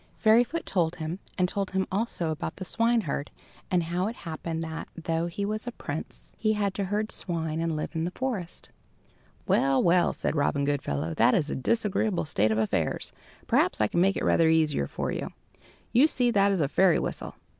Fairyfoot told him, and told him also about the swineherd, and how it happened that, though he was a prince, he had to herd swine and live in the forest. "Well, well," said Robin Goodfellow, "that is a disagreeable state of affairs. Perhaps I can make it rather easier for you. You see that is a fairy whistle."